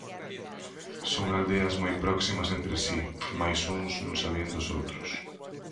Son aldeas moi próximas entre si, mais uns non sabían dos outros.